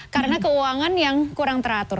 karena keuangan yang kurang teratur